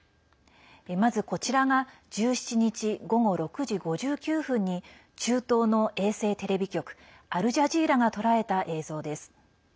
まず、こちらが１７日午後６時５９分に中東の衛星テレビ局アルジャジーラが捉えた映像です。